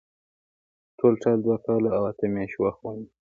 ټولټال دوه کاله او اته میاشتې وخت ونیو.